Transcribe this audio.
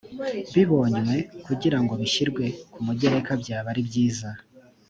bibonywe kugira ngo bishyirwe ku mugereka byaba ari byiza